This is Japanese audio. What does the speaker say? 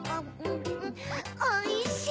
おいしい！